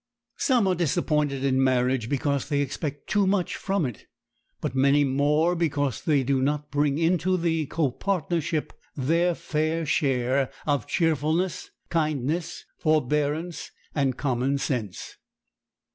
Some are disappointed in marriage because they expect too much from it; but many more because they do not bring into the copartnership their fair share of cheerfulness, kindness, forbearance, and common sense.